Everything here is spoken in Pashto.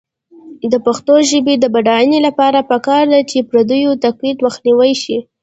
د پښتو ژبې د بډاینې لپاره پکار ده چې پردیو تقلید مخنیوی شي.